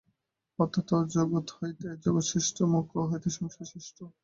অর্থাৎ অ-জগৎ হইতে জগৎ শ্রেষ্ঠ, মোক্ষ হইতে সংসার শ্রেষ্ঠ।